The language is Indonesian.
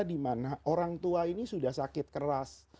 dimana orang tua ini sudah sakit keras